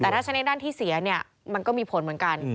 แต่ถ้าใช้ในด้านที่เสียเนี่ยมันก็มีผลเหมือนกัน